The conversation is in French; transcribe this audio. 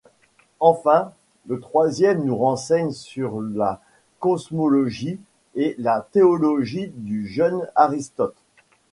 Enfin, le troisième nous renseigne sur la cosmologie et la théologie du jeune Aristote.